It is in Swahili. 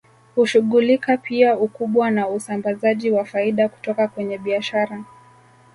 Hushughulika pia ukubwa na usambazaji wa faida kutoka kwenye biashara